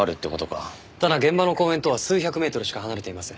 ただ現場の公園とは数百メートルしか離れていません。